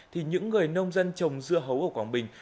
thì những người nông dân trồng dưa hấu ở quảng bình